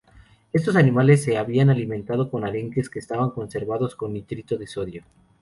Estos animales se habían alimentado con arenques, que estaban conservados con nitrito de sodio.